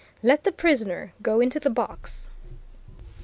Let the prisoner go into the box!"